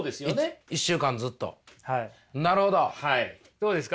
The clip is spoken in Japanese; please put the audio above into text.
どうですか。